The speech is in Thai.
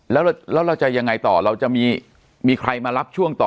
แล้วเราจะยังไงต่อเราจะมีใครมารับช่วงต่อ